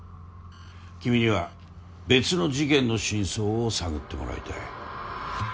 君には別の事件の真相を探ってもらいたい。